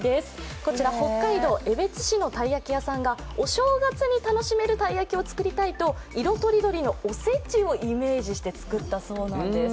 こちら、北海道江別市のたい焼き屋さんがお正月に楽しめるたい焼きを作りたいと色とりどりのお節をイメージして作ったそうなんです。